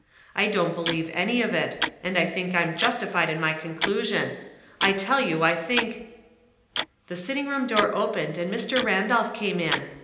I don't believe in any of it, and I think Tm justified in my conclusion. 1 tell you I think —'* The sitting room door opened and Mr. Ran dolph came in.